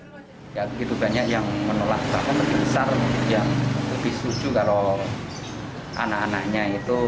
besar yang lebih setuju kalau anak anaknya itu mengikuti pembelajaran tatap muka